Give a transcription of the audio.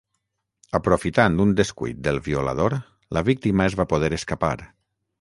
Aprofitant un descuit del violador, la víctima es va poder escapar.